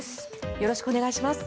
よろしくお願いします。